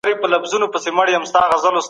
څېړونکی باید تل بې پرې او ریښتینی اوسي.